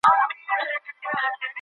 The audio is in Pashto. وېښتان هر وخت خلاص مه پریږدئ.